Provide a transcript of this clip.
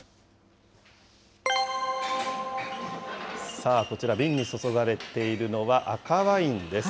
さあ、こちら、瓶に注がれているのは、赤ワインです。